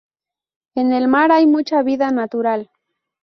En el mar hay mucha vida natural.